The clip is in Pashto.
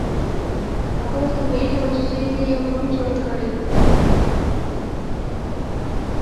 هغه ورته ویلي وو چې زوی یې یو بم جوړ کړی